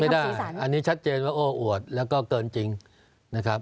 ไม่ได้อันนี้ชัดเจนว่าโอ้อวดแล้วก็เกินจริงนะครับ